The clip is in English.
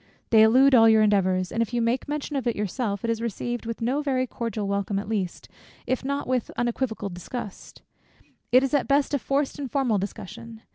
They elude all your endeavours; and if you make mention of it yourself, it is received with no very cordial welcome at least, if not with unequivocal disgust; it is at the best a forced and formal discussion.